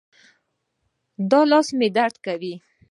دا لاس مې درد کوي